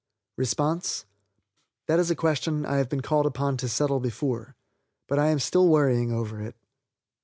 That is a question I have been called upon to settle before, but I am still worrying over it.